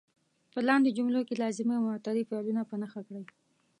په لاندې جملو کې لازمي او متعدي فعلونه په نښه کړئ.